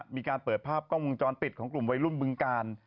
มีการเปิดภาพกล้องวงจรปิดของกลุ่มวัยรุ่นบึงการ